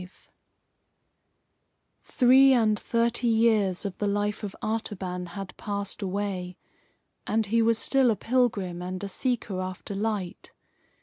V Three and thirty years of the life of Artaban had passed away, and he was still a pilgrim and a seeker after light.